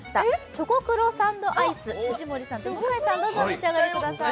チョコクロサンドアイス、藤森さんと向井さん、お召し上がりください。